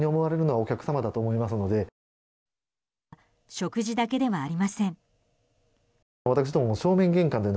食事だけではありません。